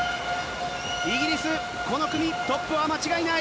イギリス、この組トップは間違いない。